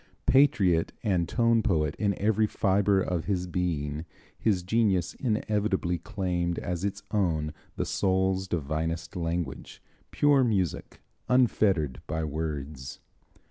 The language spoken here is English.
Patriot and tone poet in every fibre of his being, his genius inevitably claimed as its own the soul's divinest language, pure music, unfettered by words.